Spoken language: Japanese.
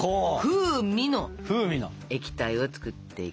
風味の液体を作っていきます！